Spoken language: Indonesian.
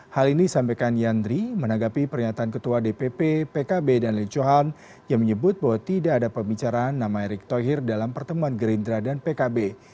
hal ini disampaikan yandri menanggapi pernyataan ketua dpp pkb dan lejohan yang menyebut bahwa tidak ada pembicaraan nama erick thohir dalam pertemuan gerindra dan pkb